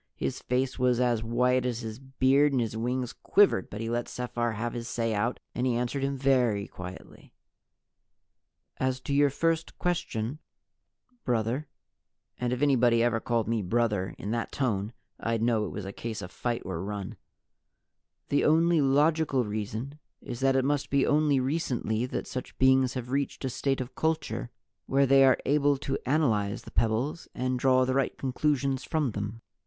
His face was as white as his beard and his wings quivered, but he let Sephar have his say out and he answered him very quietly. "As to your first question, brother," (and if anybody ever called me "brother" in that tone I'd know it was a case of fight or run) "the only logical reason is that it must be only recently that such beings have reached a state of culture where they are able to analyze the pebbles and draw the right conclusions from them.